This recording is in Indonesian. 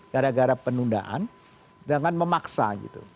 gara gara penundaan dengan memaksa gitu